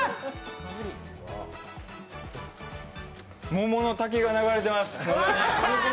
桃の滝が流れてます。